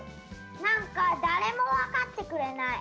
なんかだれもわかってくれない。